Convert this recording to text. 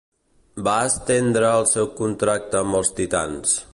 Va estendre el seu contracte amb els titans.